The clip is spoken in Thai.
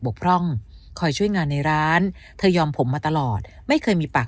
กพร่องคอยช่วยงานในร้านเธอยอมผมมาตลอดไม่เคยมีปาก